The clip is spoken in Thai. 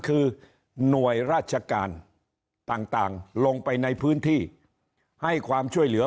คือหน่วยราชการต่างลงไปในพื้นที่ให้ความช่วยเหลือ